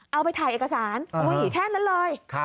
เอาไปถ่ายเอกสารแค่นั้นเลย